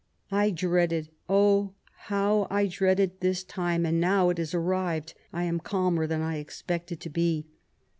I dreaded, oh I how I dreaded this time, and now it is arrived I am calmer than I expected to be.